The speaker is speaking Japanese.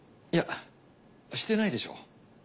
いやしてないでしょう。